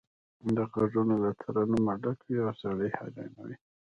دا غږونه له ترنمه ډک وي او سړی حیرانوي